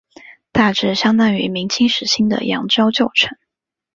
大致相当于明清时期的扬州旧城。